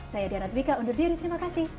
saya diana twika undur diri terima kasih